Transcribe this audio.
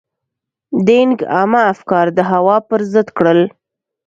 دینګ عامه افکار د هوا پر ضد کړل.